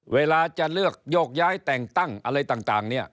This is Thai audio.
เวลาจะเลือกโยกย้ายแต่งตั้งอะไรต่างเนี่ย